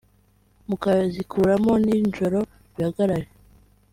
mukazikuramo ninjoro bihagarare